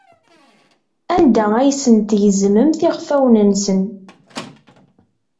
Anda ay asen-tgezmemt iɣfawen-nsen?